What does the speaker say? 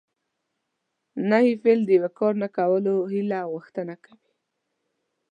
نهي فعل د یو کار نه کولو هیله او غوښتنه کوي.